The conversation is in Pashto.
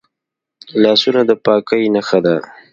لاسونه د پاکۍ نښه ده